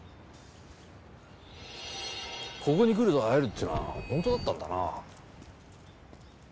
ここに来ると会えるってのは本当だったんだな。